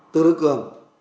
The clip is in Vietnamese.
từ đức cường